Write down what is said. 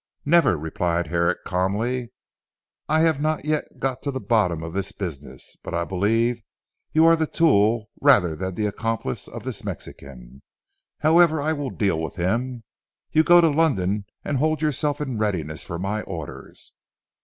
"Never," replied Herrick calmly, "I have not yet got to the bottom of this business. But I believe you are the tool rather than the accomplice of this Mexican. However I will deal with him. You go to London, and hold yourself in readiness for my orders."